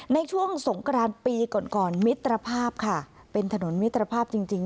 ในช่วงสงกรานปีก่อนก่อนมิตรภาพค่ะเป็นถนนมิตรภาพจริงจริง